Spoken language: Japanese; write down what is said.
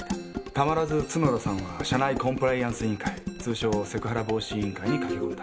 たまらず角田さんは社内コンプライアンス委員会通称セクハラ防止委員会に駆け込んだ。